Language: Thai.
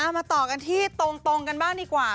มาต่อกันที่ตรงกันบ้างดีกว่า